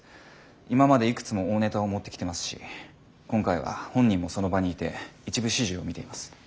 今までいくつも大ネタを持ってきてますし今回は本人もその場にいて一部始終を見ています。